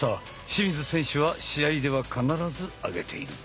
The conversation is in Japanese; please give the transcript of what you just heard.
清水選手は試合では必ずあげている。